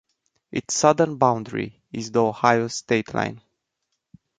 Its southern boundary is the Ohio state line.